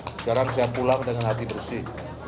sekarang saya pulang dengan hati bersih